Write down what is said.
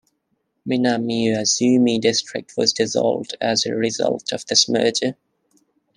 Minamiazumi District was dissolved as a result of this merger.